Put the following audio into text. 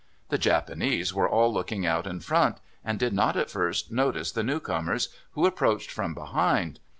The Japanese were all looking out in front, and did not at first notice the new comers, who approached from behind.